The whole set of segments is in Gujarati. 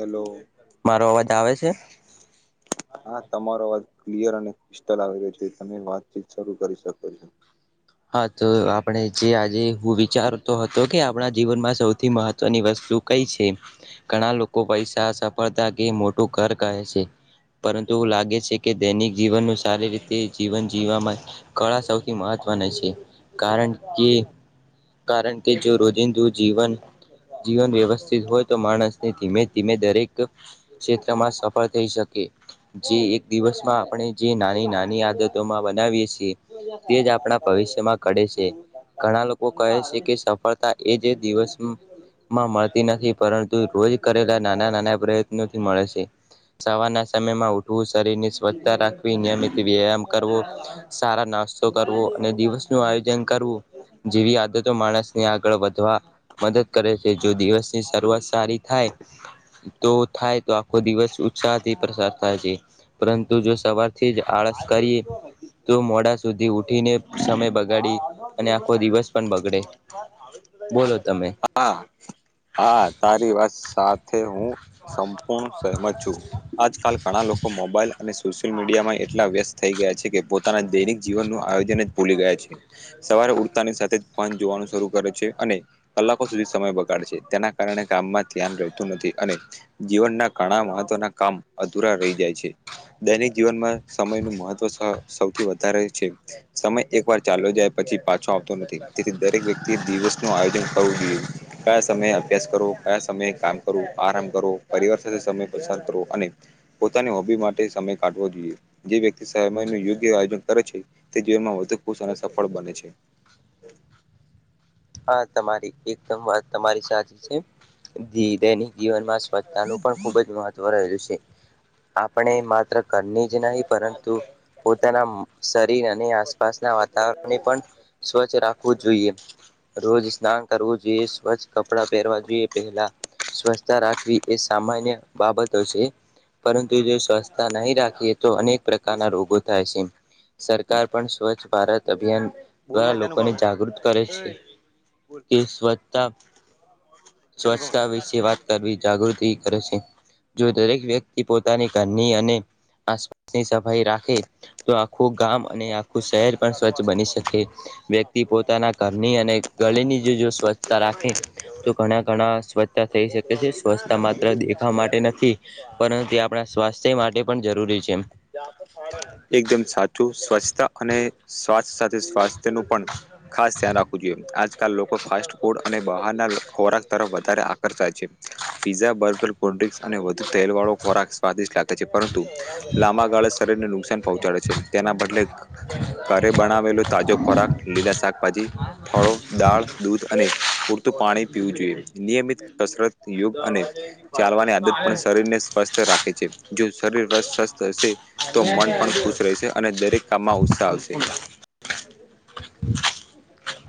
હેલો મારો અવાજ આવે છે. હા તમારો અવાજ ક્લિયર અને પિતલ આવે રહ્યો છે તમે વાતચીત શરૂ કરી શકો છો. હા તો આપણે જે આજે હું વિચારતો હતો કે આપણા જીવનમાં સૌથી મહત્વની વસ્તુ કઈ છે ઘણા લોકો પૈસા સફળતા કે મો તુ ઘર કહે છે પરંતુ લાગે છે કે દૈનિક જીવનનું સારી રીતે જીવન જીવવામાં કળા સૌથી મહત્વની છે. કારણ કે કારણ કે જો રોજિંદુ જીવન જીવન વ્યવસ્થિત હોય તો માણ ધીમે ધીમે દરેક ક્ષેત્રમાં સફળ થઈ શકે જે એક દિવસમાં આપણે જે નાની નાની આદતોમાં બનાવીએ છીએ. તે જ આપણા ભવિષ્યમાં કડે છે ઘણા લોક કો કહે છે કે સફળતા એજ દિવસમાં મળતી નથી. પરંતુ રોજ કરેલા નાના નાના પ્રયત્નોથી મળે છે. સવાર ના સમયમાં ઉઠવું શરીરની સ્વચ્છ રાખવી નિયમિત વ્યાયામ કરવો સારા ના તો કરવો અને દિવસનું આયોજન કરવું જેવી આદતો માણસની આગળ વધવા મદદ કરે છે જો દિવસની શરૂઆત સારી થાય તો થાય તો આખો દિવસ ઉત્સાહથી પસાર થાય છે પરંતુ જો સવારથી થી જ આળસ કરી તો મોડા સુધી ઉઠીને સમય બગાડી અને ખો દિવસ પણ બગડે બોલો તમે હા તે હું સંપૂર્ણ સહમત છું આજકાલ ઘણા લોકો મોબાઈલ અને સોશિયલ મીડિયામાં એટલા વ્યસ્ત થઈ ગયા છે કે પોતાના દૈનિક જીવનનું આયોજન જ ભૂલી ગયા છે સવા ઉડતાની સાથે જ ફન જોવાનું શરૂ કરે છે અને કલાકો સુધી સમય બગાડ છે. તેના કારણે કામમાં ધ્યાન રહેતું નથી અને જીવનના ઘણા મહત્વના કામ અધુરા રહી જાય છે દૈનિક જીવનમાં સમયનું મહત્વ સૌથી વધારે છે સમય એકવાર ચાયલો જાય પછી પાછો આવતો નથી તેથી દરેક વ્યક્તિએ દિવસનું આયોજન કરવું જોઈએ કયા સમયે અભ્યાસ કરો કયા સમયે કામ કરો આરામ કરો પરિવાર સાથે સમય પસાર કરો અને પોતાની હોબી માટે સમય કાવો જોઈએ જે વ્યક્તિ સમયનું યોગ્ય આયોજન કરે છે તે જીવમાં વધુ ખુશ અને સફ ફળ બને છે. [inaudible] હા તમારી એકદમ વાત તમારી સાચી છે ધ દૈનિક. જીવનમાં સ્વચ્છતાનું પણ ખૂબ જ મહત્વ રહેલું છે આપણે માત્ર. કરની જ નહી પરંતુ. પોતાના શરીર અને આસપાસના વાતાવરણને પણ સ્વચ્છ રાખવું જોઈએ. રોજ સ્નાન કરવું જોઈએ સ્વચ્છ કપડાં પહેરવા જોઈએ પહેલા. સ્વચ્છતા રાખવી એ સામાન્ય બાબતો છે. પરંતુ જો સ્વસ્છતા નહી રાખીએ તો અનેક પ્રકારના રોગો થાય છે. સરકાર પણ સ્વચ્છ ભારત અભિયાન દ્વારા લોકોને જાગૃત કરે છે. તે સ્વચ્છતા સ્વચ્છતા વિશે વાત કરવી જાગૃતિ કરે છે. જો દરેક વ્યક્તિ પોતાની ઘની અને. આસપાસેની સફાઈ રાખે તો. આખું ગામ અને આખું શહેર પણ સ્વચ્છ બની શકે વ્યક્તિ પોતાના ઘરની અને. ગળ ની જો જો સ્વચ્છતા રાખે તો ઘણા ઘણા સ્વચ્છતા થઈ શકે છે સ્વચ્છતા માત્ર. દેવતા માટે નથી પરંતુ આપણા સ્વાસ્થ્ય માટે પણ જરૂરી. છે. એકદમ સાચું સ્વચ્છતા અને. સ્વાસ્થ્ય સાથે સ્વાસ્થ્ય નું પણ ખાસ ધ્યાન રાખવું જોઈએ આજ. લોકો ફાસ્ટ ફાસટ અને બહાર ના ખોરાક તરફ વધારે આકર્ષાય છે પીઝા બર્ગર. અને વધ તેલ વાળો ખોરાક સ્વાદિષ્ટ લાગ છે પરંતુ. લાંબા ગાળે શરીરને નુકસાન પહોંચાડે છે તેના બદલે ઘરે બનાવેલું તાજો ખોરાક લીલા શાકભાજી ફળો દાળ દૂધ અને પૂરતું પાણી પીવું જોઈએ નિયમિત કસરત યોગ અને ચાલવાની આદત પણ શરીર ને સ્વસ્થ રાખે છે જો શરીર સ્વસ્થ તો મન પણ ખુશ દરવાજા રહેશે અને દરેક કામમાં ઉત્સાહ આવશે.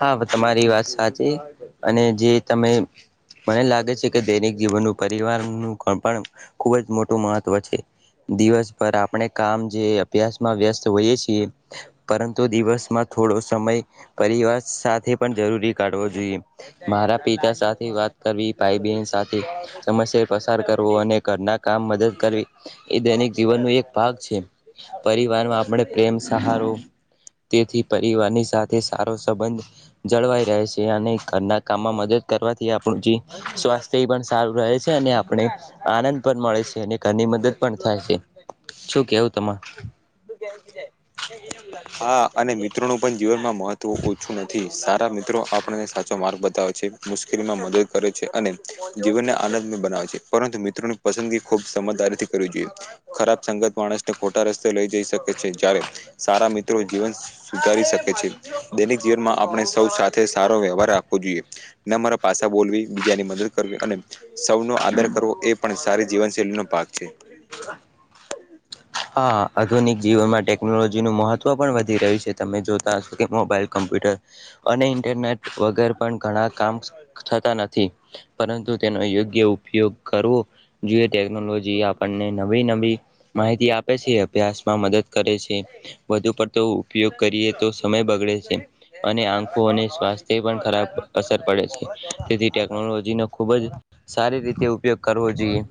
હા તમારી વાત સાચી અને જે તમે પહેલા લાગ કે દૈનિક જીવનનું પરિવાર ન પણ ખુબ જ મોટું મહત્વ છે. દિવસ પર આપણે કામ જે અભ્યાસમાં વ્યસ્ત હોઈએ છીએ પરંતુ દિવસમાં. થોડો સમય પરિવાર સાથે જરૂરી કાઢવો જોઈએ મારા પિતા સાથે વાત કરવી ભાઈ બન સાથે સમ્યા પસાર કરવો અને ઘરના કામ મદદ કરવી એ દૈનિક જીવન ન એક ભાગ છે આપ પ્રેમ સહારો તેથી પરિવારની સાથે સારો સંબંધ જળવાઈ રહે છે અને ઘરના કામમાં મદદ કરવાથી આપણું જે સ્વાસ્થ્ય પણ સારું રહે છે અને આપણે આનંદ પણ મળે છે અને ઘ મદદ પણ થાય છે શું કેવું તમા હા અને મે મિત્રો પણ જીવનમાં મહત્વ ઓછું નથી સારા મિત્રો આપણને સાચો માર્ગ બતાવે છે મુ મદદ કરે છે અને જીવનને આનંદ બનાવે છે પરંતુ મિત્રોની પસંદગી ખુબ સમજદારીથી ખરાબ સંગત માણસને ખોટા રસ્તે લઈ જઈ શકે છે જ્યારે સારા મિત્રો જીવન સુવીધારી શકે છે દૈનિક જીવનમાં આપણે સૌ સાથે સારો વ્યવહાર આપવો જોઈએ ના મારા પાછા બોલવી બીજાની મદદ કરવી અને સૌનો આદર કરવો એ પણ સારી જીવનશૈલીનો ભાગ છે. હા આધુનિક જીવનમાં ટેકનોલોજી ન મહત્વ તો પણ વધી રહ્યું છે તમે જોતા હશો કે મોબાઈલ કમ્પ્યુટર અને ઇન્ટરનેટ વગર પણ ઘણા કામ થતા નથી પરંતુ તેનો યોગ્ય ઉપયોગ કરવો જોઈએ ટેકનોલોજી આપણને નવી નવી માહિતી આપે છે. અભ્યાસમાં મદદ કરે છે વધુ પ ઉપયોગ કરીએ તો સમય બગડે છે અને આંખોને સ્વાસ્થ્ય પણ ખરાબ અસર પડે છે. તેથી ટેકનોલોજી ન ખુબ જ સારી રીતે ઉપયોગ કરવો જોઈએ.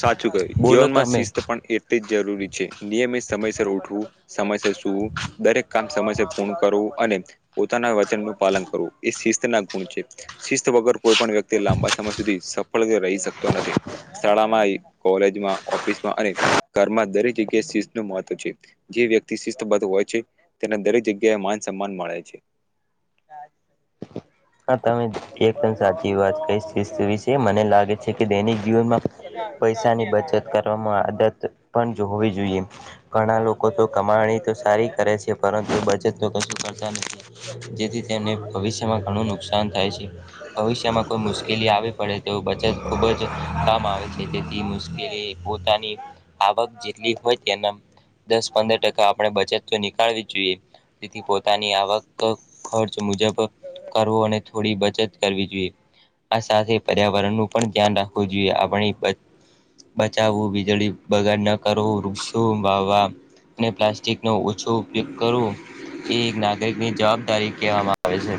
સાચું કહ્યું બોલો જીવનમાં તમે શિસ્ત પણ એટલે જ જરૂરી છે નિયમિત સમયસર ઉઠવું સમયસ સુૂવું દરેક કામ સમયસર પૂર્ણ કરવું અને પોતાના વચન નું પાલન કરવું એ શિસ્ત ના ગુણ છે શિસ્ત વગર કોઈ પણ વ્યક્તિ લાંબા સમય સુધી સફળ રહી શકતો નથી માં ઓફિસમાં અને ઘરમાં દરેક જગ્યાએ શી નું મહત્વ છે જે વ્યક્તિ હોય છે તેને દરેક જગ્યાએ માન સન્માન મળે છે [inaudible] હા તમે એકદમ સાચી વાત કઈસ્ત વિ છે મને લાગે છે કે દૈનિક જીવનમાં પૈસાની બચત કરવામાં આદત પણ હોવી જોઈએ ઘણા લોકો તો કમાણી તો સારી કરે છે પરંતુ બજેટ તો કશું કર જેથી તેને ભવિષ્યમાં ઘણું નુકસાન થાય છે ભવિષ્યમાં કોઈ મુશ્કેલી આવી પડે તેવું બચત ખૂબ જ કામ આવે તે મુશ્કેલી પોતાની આવક જેટલી હોય તેના દસ પંદર ટકા આપડે બચ નીળવી જોઈએ તેથી પોતાની આવક ખર્ચ મુજબ કરવો અને થોડી બચત કરવી જોઈએ આ સાથે પર્યાવરણનું પણ ધ્યાન રાખવું જોઈએ આપણી બચાવવું વીજળી બગાડ કરવું વૃક્ષો વાવા અને પ્લાસ્ટિક નો ઓછો ઉપયોગ કરવો એ એક નાગરિક ની જવાબદારી કહેવામાં આવે છે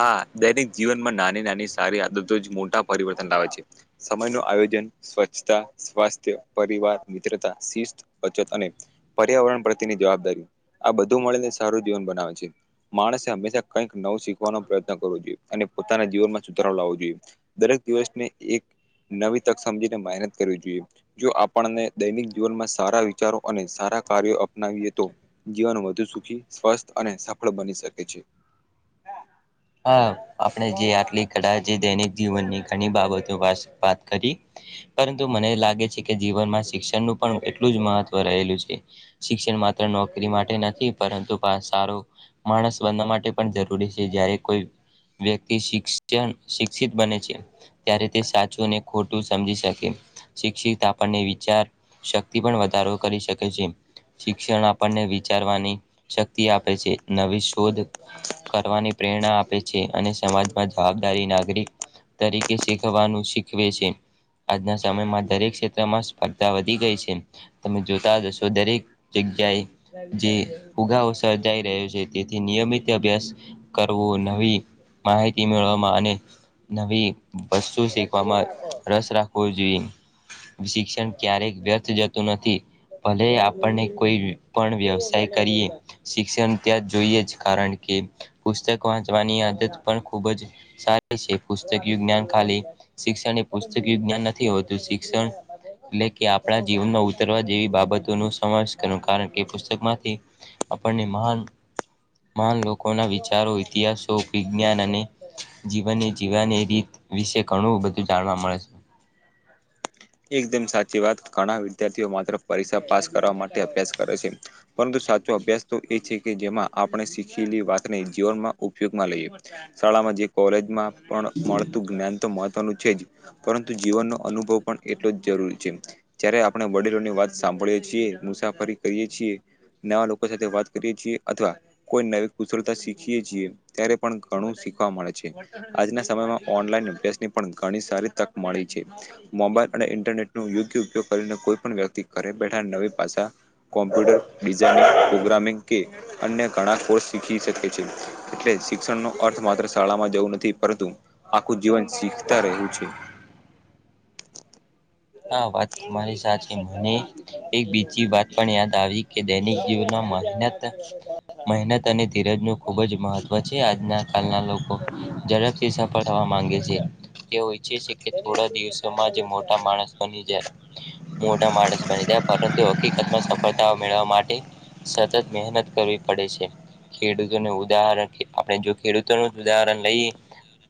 હા દૈનિક જીવનમાં નાની નાની સારી આદતો જ મોટા પરિવર્તન લાવે છે સમય ન આ સ્વચછતા સ્વાસ્થ્ય પરિવાર મિત્રતા શિસ્ત બચત અને પર્યાવરણ. પ્રની જવાબદારી આ બધું મળીને સારું જીવન બનાવે છે માણસે હંમેશા કંઈક નવું શીખ. પ્રયત્ન કરવો જોઈએ અને પોતાના જીવનમાં સુધારો લાવવો જોઈએ દરેક દિવસને એક. નવી તક સમજીને મહેનત કરવી જોઈએ જો આપણને દૈનિક જીવનમાં સારા વિચારો અને સારા. કાર્યો અપનાવીએ તો જીવન વધુ સુખી સ્વસ્થ અને સફળ બની શકે છે. હ [unintelligible] હા આપણે જે આટલી કદા જે દૈનિક જીવનની ઘણી બાબતો વાત કરી. પરંતુ મને લાગે છે કે જીવનમાં. શિક્ષણનુંું પણ એટલું જ મહત્વ રહેલું છે શિક્ષણ માત્ર નોકરી માટે નથી પરંતુ. સારો માણસ બનવા માટે પણ જરૂરી છે જયારે કોઈ. વ્યક્તિ શિક્ષણ શિક્ષિત બને છે ત્યારે તે સાચું અનેને ખોટું સમજી શકે. શિક્ષિત આપણને વિચાર શક્તિ પણ વધારો કરી શકે છે. શિક્ષણ આપણને વિચારવાની શક્તિ આપે છે નવી શોધ કરવાની. પ્રેરણા આપે છે અને સમાજમાં જવાબદારી નાગરિક તરીકે શીખવાનું. કેવે છે. આજના સમયમાં દરેક ક્ષેત્રમાં સ્પર્ધા વધી ગઈ છે તમે જોતા જશો દરેક જગ્યા. જે ઉુગાો સર્જાઈ રહ્યો છે તેથી નિયમિત અભ્યાસ. કરવું નવી માહિતી મેળવામાં અને નવી. વસ્તુ શેખવામાં રસ રાખવો જોઈએ. શિક્ષણ ક્યારેક વ્યર્થ જતું નથી. ભલે આપણને કોઈ પણ વ્યવસાય કરીએ શિક્ષણ ત્યાં જોઈએ જ કારણ કે. ચવાની આદત પણ ખુબ સ છેુસ્ વિ્ઞાન ખાલી શિક્ષણ પુસ્ત. ્ઞ નથી હોતું શિક્ષણ એટલે કે આપણા જીવનમાં ઉતરવા જેવી બાબતો ન સમ. કારણ કે પુસ્તક માંથી આપણને મહાન લોકો. વિચારો ઇતિહાસો વિજ્ઞાન અને જીવન જીવની રીત વિશે ઘણું બધું જાણ. જોવા મળે છે. એકદમ સાચી. વાત ઘણા વિદ્યાર્થીઓ માત્ર પરીક્ષા પાસ કરવા માટે અભ્યાસ કરે છે પરંતુ સાચો અભ્યાસ તો એ છે કે. જેમાં આપણે શીખેલી વાત. જીવનમાં ઉપયોગમાં લઈએ શાળામાં જે કોલેજમાં પણ મળતું જ્ઞાન તો મહ. છે પરંતુ જીવનનો અનુભવ પણ એટલો જરૂરી છે જયારે આપણે વડીલોની વાત સાભ. એ મુસાફરી કરીએ છીએ નવા લોકો સાથે વાત કરીએ છીએ અથવા કોઈ. કુશળતા શીખીએ છીએ ત્યારે પણ ઘણું શીખવા મળે છે આજના સમયમાં ઓનલાઈન અભ્યાસ. ઘણી સારી તક મળી છે મોબાઈલ અને ઇન્ટરનેટ ન યોગ્ય ઉપયોગ કરીને કોઈ પણ વ્યક્તિ કરે. બેઠા નવી પાસાા કોમ્પ્યુટર ડિઝાઇનિંગ પ્રોગ્રામિંગ કે અન્ય ઘણા કોર્સ. શીખી શકે છે એટલે શિક્ષણ નો અર્થ માત્ર શાળામાં જવું નથી પરંતુ આખું જીવન. શીખતા રહવું છે. હા વાત તમારી સાચ મને એક બીજી વાત પણ યાદ આવી કે દૈનિક જે. ના મહેનત મહેનત. અને ધીરજ નું ખુબ જ મહત્વ છે આજના કળના લોકો ઝડપથી સફળ થવા માંગે છે. તેઓ ઈચ્છે છે કે થોડા દિવસોમાં જે મોટા માણસ. બની જાય મો માણસ બની જાય પરંતુ હકીકતમાં સફળતાઓ મેળવવા માટે. સતત મહેનત કરવી પડે છે. ખેડૂતોને ઉદાહરણ આપણે જો ખેડૂતોનું જ ઉદાહરણ લઈએ.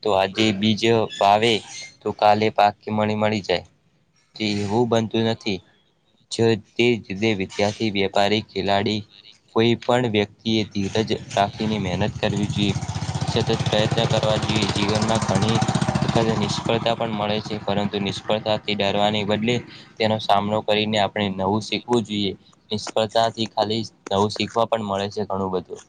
તો આજે બીજ ભાવે તો કાલે પા મણી મળી જાય. જી હું બનતું નથી. જ તે જુ વિદ્યાર્થી વેપારી ખેલાડી. કોઈ પણ વ્યક્તિએ ધીરજ રાખીને મહેનત કરવી જોઈએ. સતત પ્રયત્ન કરવા જોઈએ જીવનમાં ઘણી. તો કા નિષ્ફળતા પણ મળે છે પરંતુ નિષ્ફળતા. ડરવા બદલે તેનો સામનો કરીને આપણે નવું શીખવું જોઈએ નિષ્ફળતાથી ા નવું શીખવા પણ મળે છેણું બું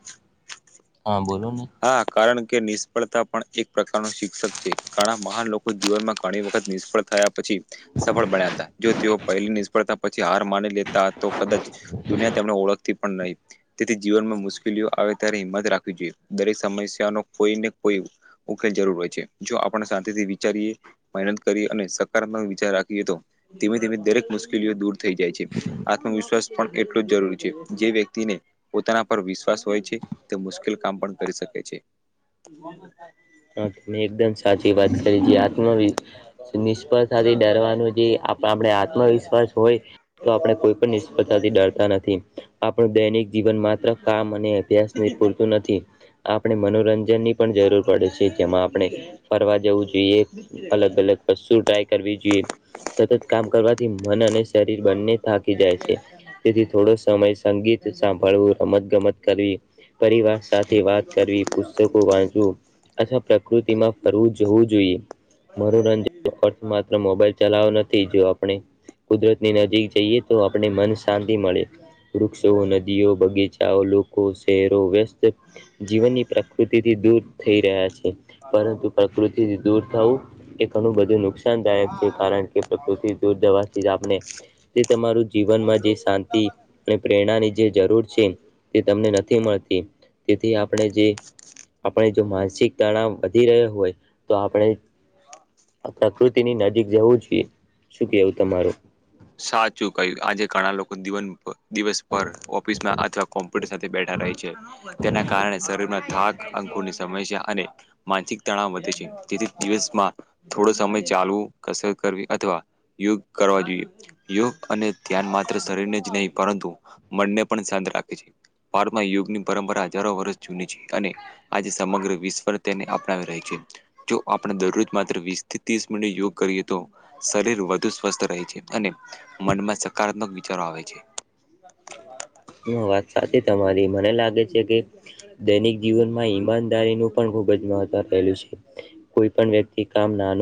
હા બોલ હા કારણ કે નિષ્ફળતા પણ એક પ્રકાર શિક્ષક છે ઘણા મહાન લોકો જીવનમાં ઘણી વખત નિષ્ફળ થયા પછી સફળ બન્યા હતા જો પહેલી નિષ્ફળતા પછી હાર માની લેતા તો કદાચ દુનિયા તેમને ઓળખતી પણ નહી તેથી જીવનમાં મુશ્કેલીઓ આવે ત્યારે હિંમત રાખવી જોઈએ દરેક સમસ્યા ન કોઈ ને કોઈ ઉકેલ જરૂર હોય છે જો આપણે સાથેથી વિચારીએ કરી અને સકારાત્મક વિચાર રાખીએ તો ધીમે ધીમે દરેક મુશ્કેલીઓ દૂર થઈ જાય છે આત્મવશ ્વા પણ એટલો જરૂરી છે જે વ્યક્તિને પોતાના પર વિશ્વાસ હોય છે તે મુશ્કેલ કામ પણ કરી શકે છે હા મેં એકદમ સાચી વાત કરી છે આત્મવિશ નિષ્ફળતાથી ડરવાનું જે આપણે આત્મવિશ્વાસ હોય તો આપડે કોઈ પણ નિષ્ફળતા ડરતા નથી આપણું દૈનિક જીવન માત્ર કામ અને અભ્યાસને પૂરતું નથી આપણે મનોરંજન ની પણ જરૂર પડે છે જેમાં આપણે ફરવા જવું જોઈએ અલગ અલગ વસ્તુ ટ્રાય કરવી જોઈએ સતત કામ કરવાથી મન અને શરીર બંને થાકી જાય છે તેથી થોડો સમય સંગીત સાંભળવું રમત ગમત કરવી પરિવાર સાથે વાત કરવી પુસ્તકો વાંચવું અથવા પ્રકૃતિ માં ફરવું જવું જોઈએ મનોરંજન ન અર્થ માત્ર મોબાઈલ ચલાવ નથી જો આપણે કુદરત ની નજીક જઈએ તો આપને મન શાંતિ મળે વૃક્ષો નદીઓ બગીચાઓ લોકો શરો વ્યસ્ત જીવનની પ્રકૃતિથી દૂર થઈ રહ્યા છે પરંતુ પ્રકૃતિથી દૂર થવું એ ઘણું બધું નુકસાનદાયક છે કારણ કે ણે તે તમારું જીવનમાં જે શાંતિ અને પ્રેરણાની જે તેથી તણાવ વધી રહ્યો હોય તો આપણે આ પ્રકૃતિ ની નજીક જવું જોઈએ શું કેવું તમારું સાચું કય આજે ઘણા લોકો દીવન ઉપર દિવસ પર ઓફિસમાં અથવા કોમ્પ્યુટર સાથે બેઠા રહે છે તેના કારણે શરીરના થાક અં સમય છે અને માનસિક તણાવ વધે છે તેથી દિવસમાં થોડો સમય ચાલવો કસર કરવી અથવા યોગ કરવા જોઈએ યોગ અને ધ્યાન માત્ર શરીરને જ નહી પરંતુ મનને પણ શાંત રાખ ભારત માં યુગની પરંપરા હજારો વર્ષ જૂની છે અને આજે સમગ્ર વિશ્વને તેને આપ દરરોજ જાઈ છે માત્ર વીસ થી ત્રીસ મિનિટ યોગ કરીએ તો શરીર સ્વસ્થ રહે છે અને મનમાં સકારાત્મક વિચારો આવે છે વાત સાચી તમારી મને લાગે છે કે દૈનિક જીવનમાં ઈમાનદારીનું પણ ખૂબ જ મહત્વ રહેલું છે કોઈ પણ વ્યક્તિ કામ નાનું